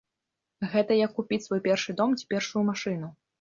Гэта як купіць свой першы дом ці першую машыну.